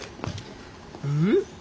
うん？